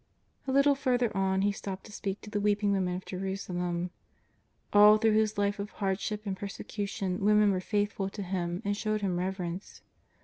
A little further on He stopped to speak to the weeping women of Jerusalem. All through His life of hard ship and persecution women were faithful to Him and showed Him reverence.